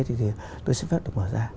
thì tôi xin phép được mở ra